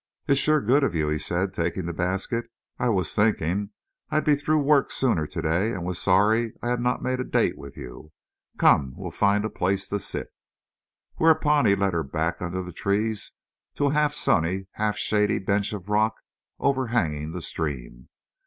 "It's sure good of you," he said, taking the basket. "I was thinking I'd be through work sooner today, and was sorry I had not made a date with you. Come, we'll find a place to sit." Whereupon he led her back under the trees to a half sunny, half shady bench of rock overhanging the stream.